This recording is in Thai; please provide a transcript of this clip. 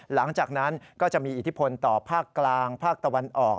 หลังจากนั้นก็จะมีอิทธิพลต่อภาคกลางภาคตะวันออก